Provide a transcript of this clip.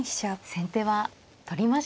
先手は取りましたね